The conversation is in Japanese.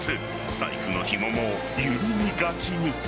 財布の紐も緩みがちに。